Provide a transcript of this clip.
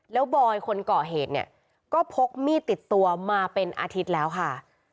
แล้วบอยคนเกาะเหตุเนี่ยก็พกมีดติดตัวมาเป็นอาทิตย์แล้วค่ะ